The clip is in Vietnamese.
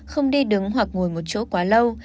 không đi đứng hoặc ngồi một chỗ quá lâu